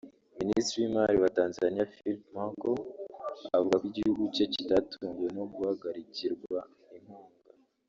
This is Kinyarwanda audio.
Minisitiri w’Imari wa Tanzania Philip Mpango avuga ko igihugu cye kitatunguwe no guhagarikirwa inkunga